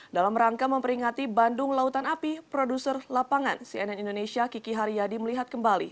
dalam rangka memperingati bandung lautan api produser lapangan cnn indonesia kiki haryadi melihat kembali